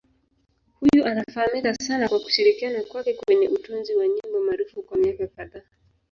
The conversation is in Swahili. Huyu anafahamika sana kwa kushirikiana kwake kwenye utunzi wa nyimbo maarufu kwa miaka kadhaa.